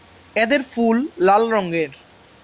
এদের ফুল লাল রঙের।